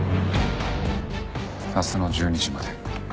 明日の１２時まで。